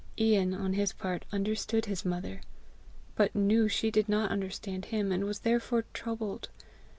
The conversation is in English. Ian on his part understood his mother, but knew she did not understand him, and was therefore troubled.